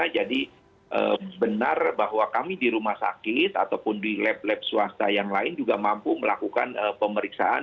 benar bahwa kami di rumah sakit ataupun di lab lab swasta yang lain juga mampu melakukan pemeriksaan